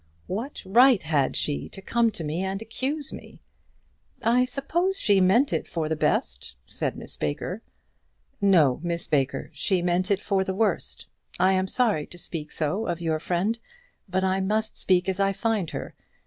"What right had she to come to me and accuse me?" "I suppose she meant it for the best," said Miss Baker. "No, Miss Baker, she meant it for the worst. I am sorry to speak so of your friend, but I must speak as I find her.